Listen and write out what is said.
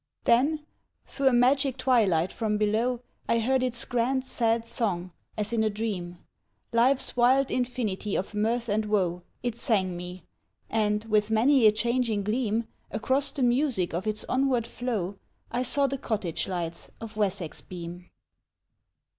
Then, through a magic twilight from below, I heard its grand sad song as in a dream: Life's wild infinity of mirth and woe It sang me; and, with many a changing gleam, Across the music of its onward flow I saw the cottage lights of Wessex beam.